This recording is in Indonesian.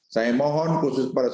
saya mohon khusus perhatian